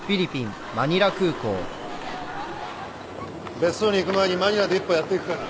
別荘に行く前にマニラで一杯やっていくかなあ。